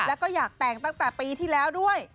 แล้วก็อยากแต่งตั้งแต่ปีที่แล้วด้วย